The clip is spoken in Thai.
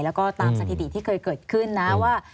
แล้วก็ตามสถิติที่เคยเกิดขึ้นนะว่า